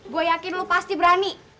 gue yakin lo pasti berani